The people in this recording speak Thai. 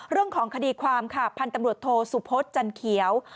เรื่องของคดีความพันธุ์ตำรวจโทสุโพธิ์จันทร์เขียว